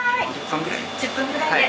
１０分ぐらい。